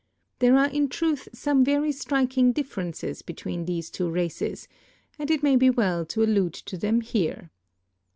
There are in truth some very striking differences between these two races, and it may be well to allude to them here.